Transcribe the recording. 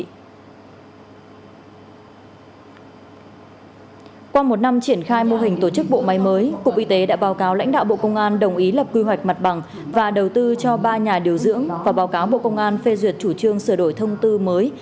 qua một năm triển khai mô hình tổ chức bộ máy mới cục y tế đã báo cáo lãnh đạo bộ công an đồng ý lập quy hoạch mặt bằng và đầu tư cho ba nhà điều dưỡng và báo cáo bộ công an phê duyệt chủ trương sửa đổi thông tư mới